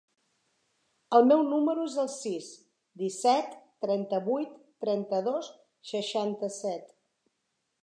El meu número es el sis, disset, trenta-vuit, trenta-dos, seixanta-set.